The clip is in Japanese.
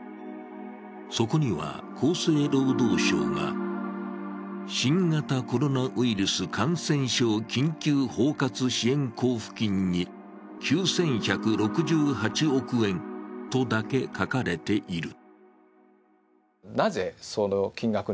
そこには厚生労働省が新型コロナウイルス感染症緊急包括支援交付金に９１６８億円とだけ書かれている。